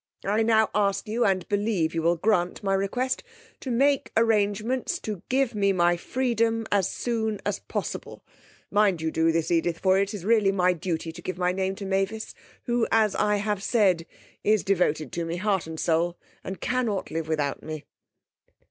I now ask you, and believe you will grant my request, to make arrangements to give me my freedom as soon as possible. Mind you do this, Edith, for it is really my duty to give my name to Mavis, who, as I have said, is devoted to me heart and soul, and cannot live without me.